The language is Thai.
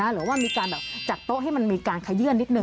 หรือว่ามีการแบบจัดโต๊ะให้มันมีการขยื่นนิดนึ